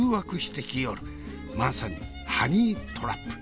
まさにハニートラップ。